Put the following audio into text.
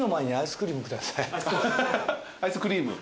アイスクリーム。